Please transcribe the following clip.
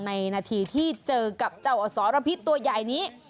ในนาทีที่เจอกับเจ้าอสรภิกตัวย่ายนี้